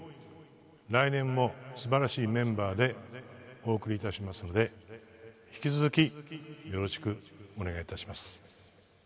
来年も素晴らしいメンバーでお送り致しますので引き続きよろしくお願い致します。